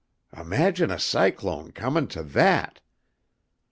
Imagine a cyclone comin' to that!